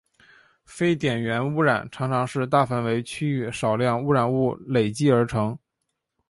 非点源污染常常是大范围区域少量污染物累积而成。